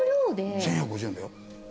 １，１５０円だよ。